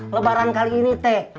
lebaran kali ini teh